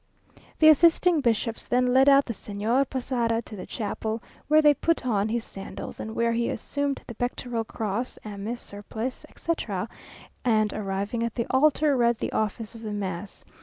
The assisting bishops then led out the Señor Posada to the chapel, where they put on his sandals, and where he assumed the pectoral cross, amice, surplice, etc.; and arriving at the altar read the office of the mass.